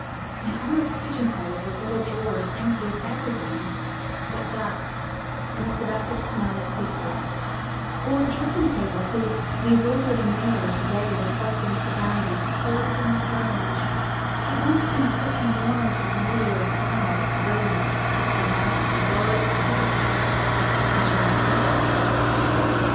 and all its pigeon holes and little drawers empty of everything but dust and the seductive smell of secrets; or a dressing table whose bewildered mirror, to day reflecting surroundings cold and strange, had once been quick and warm to the beauty of eyes brilliant with delight or blurred with tears; or perchance a bed....